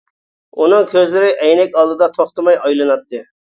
ئۇنىڭ كۆزلىرى ئەينەك ئالدىدا توختىماي ئايلىناتتى.